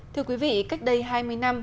thưa quý vị cách đây hai mươi năm